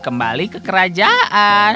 kembali ke kerajaan